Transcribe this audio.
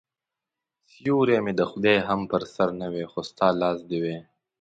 سیوری مې د خدای هم په سر نه وای خو ستا لاس دي وای